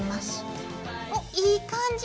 おっいい感じ！